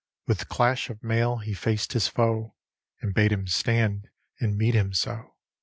With clash of mail he faced his foe. And bade him stand and meet him so.